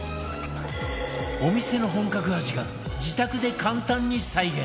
お店の本格味が自宅で簡単に再現！